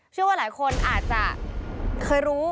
เชื่อว่าหลายคนอาจจะเคยรู้